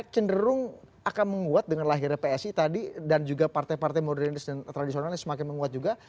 akan mengerung akan menguat dengan lahir psi tadi dan juga partai partai modernis dan tradisionalnya semakin menguat juga